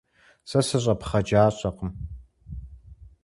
Сэ сыщӏэпхъэджащӏэкъым.